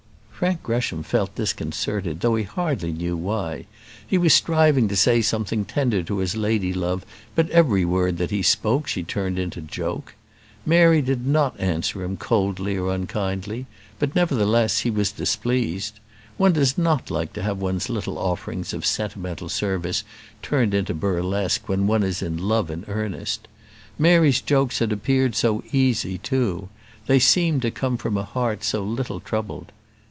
Frank Gresham felt disconcerted, though he hardly knew why. He was striving to say something tender to his lady love; but every word that he spoke she turned into joke. Mary did not answer him coldly or unkindly; but, nevertheless, he was displeased. One does not like to have one's little offerings of sentimental service turned into burlesque when one is in love in earnest. Mary's jokes had appeared so easy too; they seemed to come from a heart so little troubled.